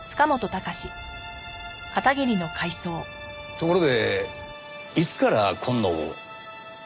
ところでいつから今野を？